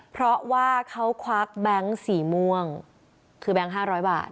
เพราะว่าเขาควักแบงค์สีม่วงคือแบงค์๕๐๐บาท